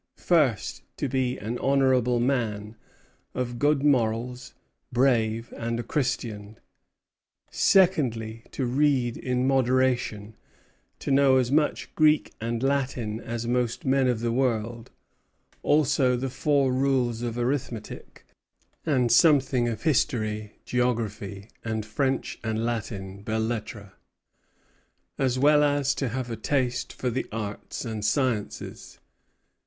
"First, to be an honorable man, of good morals, brave, and a Christian. Secondly, to read in moderation; to know as much Greek and Latin as most men of the world; also the four rules of arithmetic, and something of history, geography, and French and Latin belles lettres, as well as to have a taste for the arts and sciences.